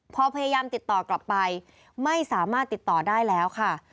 พอพยายามติดต่อกลับไปไม่สามารถติดต่อได้แล้วค่ะ